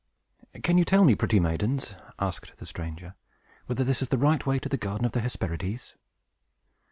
"Can you tell me, pretty maidens," asked the stranger, "whether this is the right way to the garden of the Hesperides?"